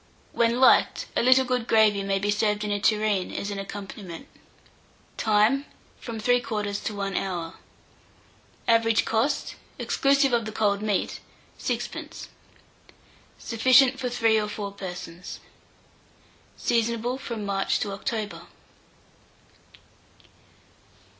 When liked, a little good gravy may be served in a tureen as an accompaniment. Time. From 3/4 to 1 hour. Average cost, exclusive of the cold meat, 6d. Sufficient for 3 or 4 persons. Seasonable from March to October.